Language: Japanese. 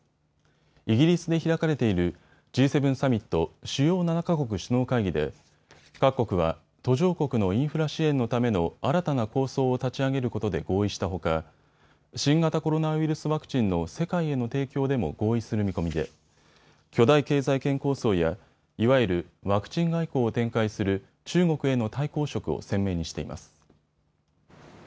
イギリスで開かれているＧ７サミット・主要７か国首脳会議で各国は途上国のインフラ支援のための新たな構想を立ち上げることで合意したほか新型コロナウイルスワクチンの世界への提供でも合意する見込みで巨大経済圏構想やいわゆるワクチン外交を展開する中国への対抗色を鮮明にしています。